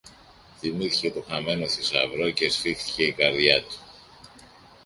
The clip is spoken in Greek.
Θυμήθηκε το χαμένο θησαυρό και σφίχθηκε η καρδιά του.